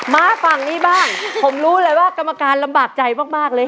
มาฝั่งนี้บ้างผมรู้เลยว่ากรรมการลำบากใจมากเลย